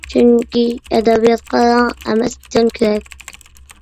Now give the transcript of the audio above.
چۈنكى ئەدەبىياتقا رەڭ ئەمەس جان كېرەك.